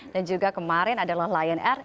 dan juga kemarin adalah lion air